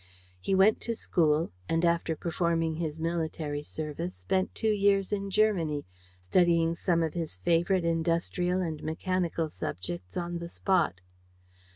He went to school and, after performing his military service, spent two years in Germany, studying some of his favorite industrial and mechanical subjects on the spot.